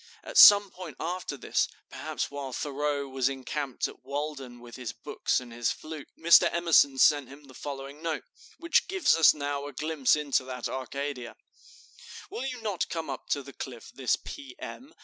At some time after this, perhaps while Thoreau was encamped at Walden with his books and his flute, Mr. Emerson sent him the following note, which gives us now a glimpse into that Arcadia: "Will you not come up to the Cliff this P. M.